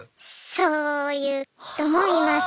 そういう人もいます。